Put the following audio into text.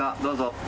どうぞ。